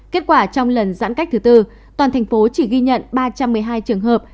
kết quả trong lần giãn cách thứ tư toàn thành phố chỉ ghi nhận ba trăm một mươi hai trường hợp